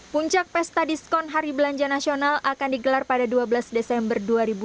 puncak pesta diskon hari belanja nasional akan digelar pada dua belas desember dua ribu dua puluh